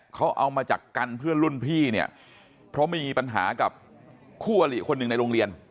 เขาเอามาจากกันเพื่อนรุ่นพี่เนี่ยเพราะมีปัญหากับคู่อลิคนหนึ่งในโรงเรียน